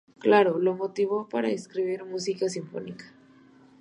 Clara lo motivó para escribir música sinfónica.